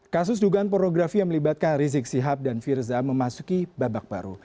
kasus dugaan pornografi yang melibatkan rizik sihab dan firza memasuki babak baru